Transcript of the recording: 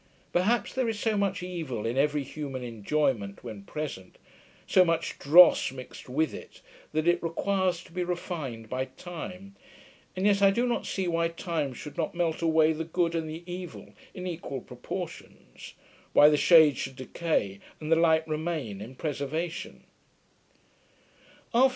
Perhaps, there is so much evil in every human enjoyment, when present so much dross mixed with it that it requires to be refined by time; and yet I do not see why time should not melt away the good and the evil in equal proportions; why the shade should decay, and the light remain in preservation.